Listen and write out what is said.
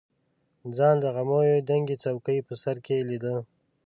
ځان د غمیو د دنګې څوکې په سر کې لیده.